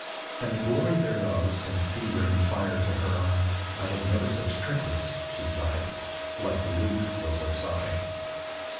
And the glory thereof sent fever and fire to her eye. 'I had never such trinkets!' she sighed, like a lute was her sigh.